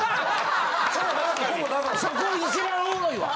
そこ一番おもろいわ！